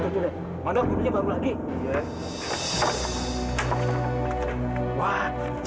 tunggu mana kubiknya baru lagi